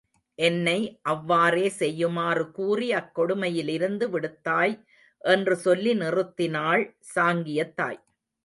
என்னை அவ்வாறே செய்யுமாறு கூறி அக் கொடுமையிலிருந்து விடுத்தாய் என்று சொல்லி நிறுத்தினாள் சாங்கியத் தாய்.